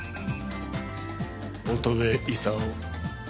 乙部功。